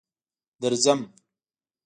درځم.